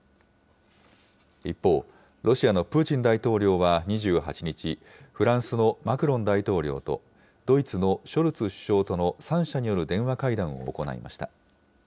一方、ロシアのプーチン大統領は２８日、フランスのマクロン大統領と、ドイツのショルツ首相との３者による電話会談を行いました。